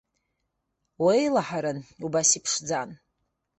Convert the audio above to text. Уеилаҳарын, убас иԥшӡан.